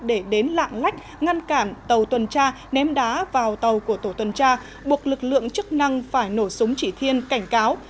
để đến lạng lách ngăn cản tàu tuần tra ném đá vào tàu của tổ tuần tra buộc lực lượng chức năng phải nổ súng chỉ thiên cảnh cáo